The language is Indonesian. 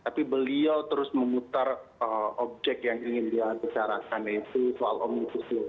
tapi beliau terus mengutar objek yang ingin dia bicarakan yaitu soal omnisip